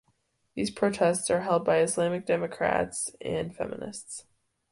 These protests are held by Islamic democrats and feminists.